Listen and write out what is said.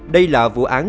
đây là vụ án